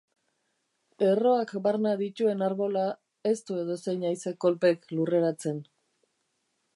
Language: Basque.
Erroak barna dituen arbola ez du edozein haize kolpek lurreratzen.